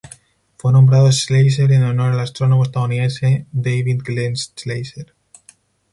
Fue nombrado Schleicher en honor al astrónomo estadounidense David Glenn Schleicher.